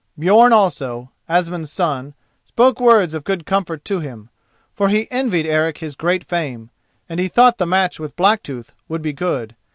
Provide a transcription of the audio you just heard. Björn also, Asmund's son, spoke words of good comfort to him, for he envied Eric his great fame, and he thought the match with Blacktooth would be good.